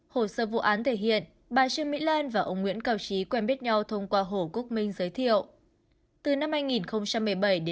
hồ sơ vụ án thể hiện bà trương mỹ lan và ông nguyễn cảo trí quen biết nhau thông qua hồ quốc minh giới thiệu